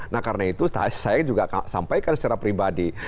nah karena itu saya juga sampaikan secara pribadi